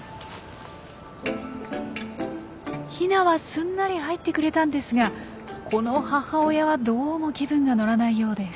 ヒナはすんなり入ってくれたんですがこの母親はどうも気分が乗らないようです。